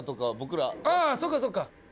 長嶋：ああ、そうか、そうか。